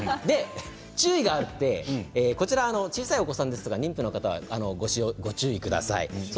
注意があって小さいお子さんや妊婦の方はご使用に注意してください。